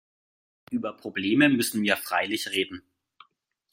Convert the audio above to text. Über Probleme müssen wir freilich reden.